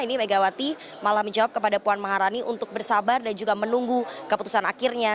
ini megawati malah menjawab kepada puan maharani untuk bersabar dan juga menunggu keputusan akhirnya